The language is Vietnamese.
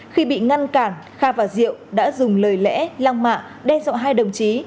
khi bị ngăn cản kha và diệu đã dùng lời lẽ lăng mạ đe dọa hai đồng chí